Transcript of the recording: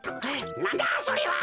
なんだそれは！